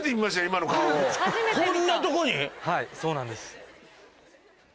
はいそうなんです。